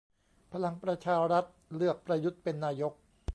พลังประชารัฐเลือกประยุทธเป็นนายก